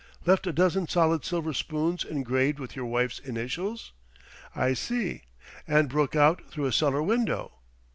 Left a dozen solid silver spoons engraved with your wife's initials? I see. And broke out through a cellar window.